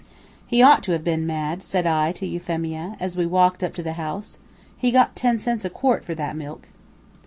"He ought to have been mad," said I to Euphemia, as we walked up to the house. "He got ten cents a quart for that milk."